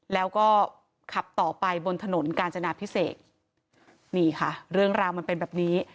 แล้วก็ขับต่อไปบนถนนกาญจนาพิเศษนี่ค่ะเรื่องราวมันเป็นแบบนี้